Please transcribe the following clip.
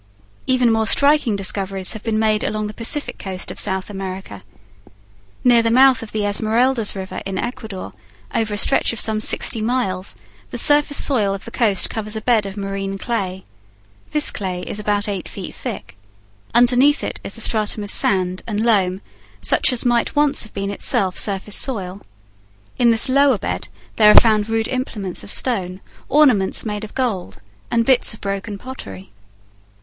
Even more striking discoveries have been made along the Pacific coast of South America. Near the mouth of the Esmeraldas river in Ecuador, over a stretch of some sixty miles, the surface soil of the coast covers a bed of marine clay. This clay is about eight feet thick. Underneath it is a stratum of sand and loam such as might once have itself been surface soil. In this lower bed there are found rude implements of stone, ornaments made of gold, and bits of broken pottery.